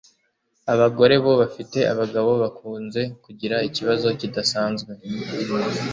abagore bo bafite abagabo bakunze kugira ikibazo kidasanzwe